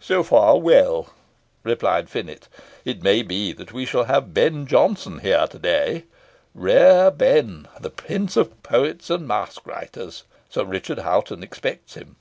"So far well," replied Finett; "it may be that we shall have Ben Jonson here to day rare Ben, the prince of poets and masque writers. Sir Richard Hoghton expects him.